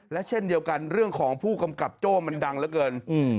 และเช่นเดียวกันเรื่องของผู้กำกับโจ้มันดังเหลือเกิน